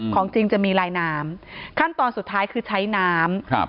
ของจริงจะมีลายน้ำขั้นตอนสุดท้ายคือใช้น้ำครับ